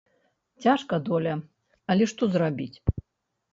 Цяжка доля, але што зрабіць?